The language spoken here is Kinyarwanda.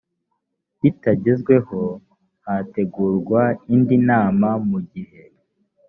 bitagezweho hategurwa indi nama mu gihe